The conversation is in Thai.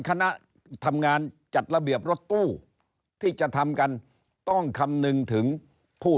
คณะทำงานจัดระเบียบรถตู้ที่จะทำกันต้องคำนึงถึงผู้